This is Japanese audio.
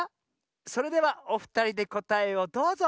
それではおふたりでこたえをどうぞ。